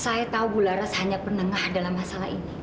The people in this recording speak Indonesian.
saya tahu bularas hanya penengah dalam masalah ini